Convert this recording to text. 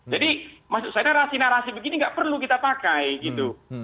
jadi maksud saya narasi narasi begini tidak perlu kita pakai gitu